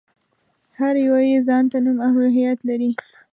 هر يو يې ځان ته نوم او هويت لري.